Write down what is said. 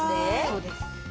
そうです。